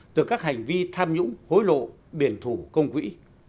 từ các hành vi tham nhũng hối lộ biển thủ công quỹ